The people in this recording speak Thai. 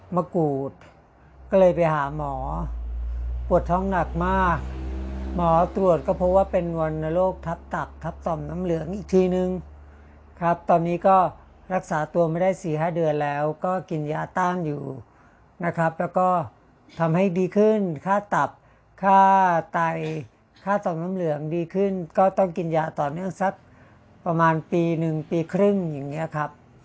มากูดก็เลยไปหาหมอปวดท้องหนักมากหมอตรวจก็พบว่าเป็นวรรณโรคทับตักครับต่อมน้ำเหลืองอีกทีนึงครับตอนนี้ก็รักษาตัวไม่ได้๔๕เดือนแล้วก็กินยาต้านอยู่นะครับแล้วก็ทำให้ดีขึ้นค่าตับค่าไตค่าต่อมน้ำเหลืองดีขึ้นก็ต้องกินยาต่อเนื่องสักประมาณปีหนึ่งปีครึ่งอย่างนี้ครับ